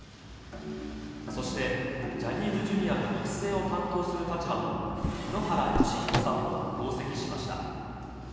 そしてジャニーズＪｒ．の育成を担当する立場の井ノ原快彦さんも同席しました。